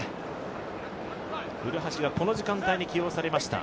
古橋がこの時間帯に起用されました。